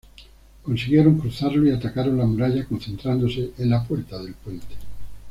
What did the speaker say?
Consiguieron cruzarlo y atacaron la muralla concentrándose en la Puerta del Puente.